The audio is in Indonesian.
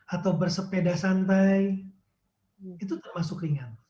atau bersepeda santai itu termasuk ringan